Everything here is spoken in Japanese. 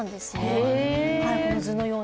この図のように。